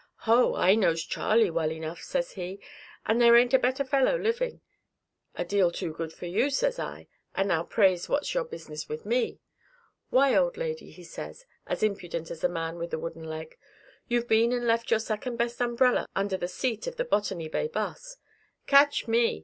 'Ho, I knows Charley well enough,' says he, 'and there ain't a better fellow living.' 'A deal too good for you,' says I, 'and now pray what's your business with me?' 'Why, old lady,' he says, as impudent as the man with the wooden leg, 'you've been and left your second best umbrella under the seat of the Botany Bay Bus.' 'Catch me!